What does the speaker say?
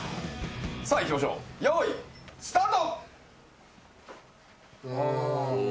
さあいきましょうよいスタート！